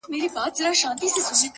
• دا د هجر شپې به ټولي پرې سبا کړو..